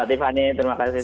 selamat malam mbak tiffany